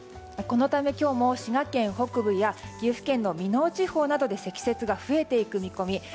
このため、今日も滋賀県北部や岐阜県の美濃地方などで積雪が増えていく見込み。